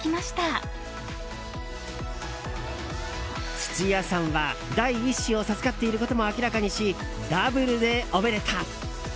土屋さんは第１子を授かっていることも明らかにしダブルでおめでた。